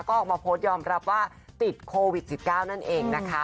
ก็ออกมาโพสต์ยอมรับว่าติดโควิด๑๙นั่นเองนะคะ